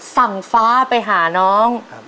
สั่งฟ้าไปหาน้อง